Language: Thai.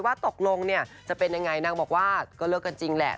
ว่าตกลงเนี่ยจะเป็นยังไงนางบอกว่าก็เลิกกันจริงแหละ